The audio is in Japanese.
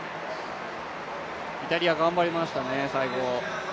イタリア、頑張りましたね、最後。